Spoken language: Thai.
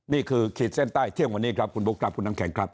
ขีดเส้นใต้เที่ยงวันนี้ครับคุณบุ๊คครับคุณน้ำแข็งครับ